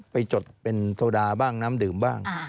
จดเป็นโซดาบ้างน้ำดื่มบ้าง